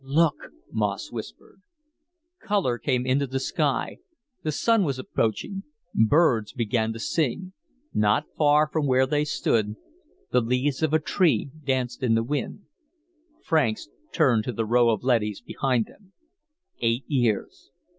"Look!" Moss whispered. Color came into the sky. The Sun was approaching. Birds began to sing. Not far from where they stood, the leaves of a tree danced in the wind. Franks turned to the row of leadys behind them. "Eight years.